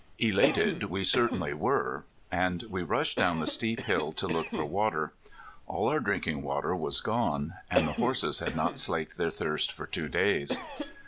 Elated we certainly were. And we rushed down the steep hill to look for water. All our drinking water was gone, and the horses had not slaked their thirst for two days.